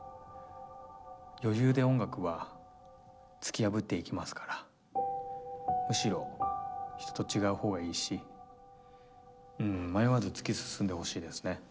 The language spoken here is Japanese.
余裕で音楽は突き破っていきますからむしろ人と違うほうがいいし迷わず突き進んでほしいですね。